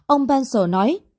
ông pencil nói